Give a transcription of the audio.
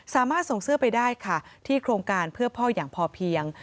สามารถส่งเสื้อไปได้ค่ะที่โครงการเพื่อพ่ออย่างพอเพียง